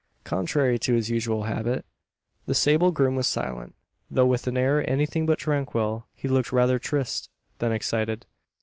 Contrary to his usual habit, the sable groom was silent: though with an air anything but tranquil. He looked rather triste than excited.